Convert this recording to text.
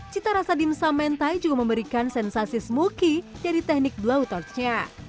cita rasa dimsum mentai juga memberikan sensasi smoky dari teknik blootersnya